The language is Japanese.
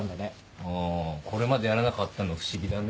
あぁこれまでやらなかったの不思議だね。